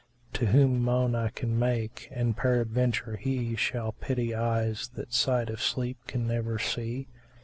To whom moan I can make and, peradventure, he * Shall pity eyes that sight of sleep can never see?